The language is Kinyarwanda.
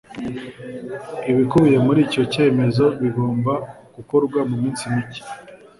ibikubiye muri icyo cyemezo bigomba gukorwa mu minsi mike